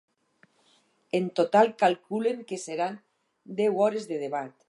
En total calculen que seran deu hores de debat.